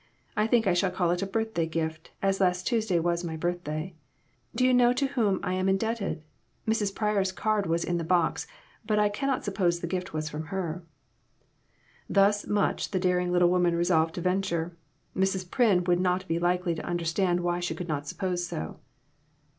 I think I shall call it a birthday gift, as last Tues day was my birthday. Do you know to whom I am indebted ? Mrs. Pryor's card was in the box, but I cannot suppose the gift was from her." Thus much the daring little woman resolved to venture ; Mrs. Pryn would not be likely to under stand why she could not suppose so.